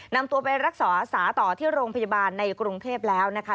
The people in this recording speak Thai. นำตัวไปรักษาสาต่อที่โรงพยาบาลในกรุงเทพแล้วนะคะ